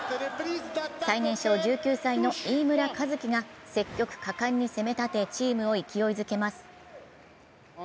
最年少１９歳の飯村一輝が積極果敢に攻め立てチーム勢いづけます。